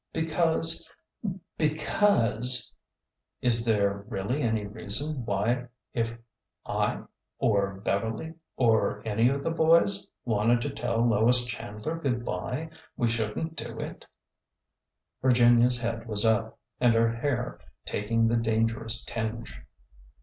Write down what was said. Because— because— " Is there really any reason why if I— or Beverly— or any of the boys— wanted to tell Lois Chandler good by, we should n't do it ?" Virginia's head was up, and her hair taking the dan gerous tinge.